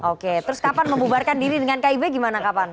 oke terus kapan membubarkan diri dengan kib gimana kapan